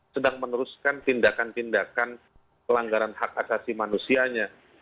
sedang meneruskan tindakan tindakan pelanggaran hak asasi manusianya